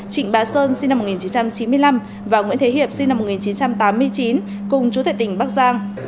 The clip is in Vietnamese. trịnh bá sơn sinh năm một nghìn chín trăm chín mươi năm và nguyễn thế hiệp sinh năm một nghìn chín trăm tám mươi chín cùng chú thể tỉnh bắc giang